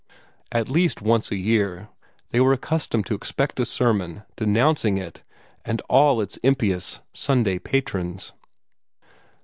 At least once a year they were accustomed to expect a sermon denouncing it and all its impious Sunday patrons.